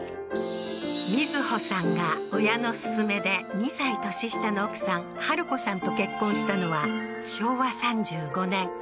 瑞穂さんが親の勧めで２歳年下の奥さんハルコさんと結婚したのは昭和３５年２２歳のとき